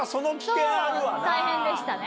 そう大変でしたね。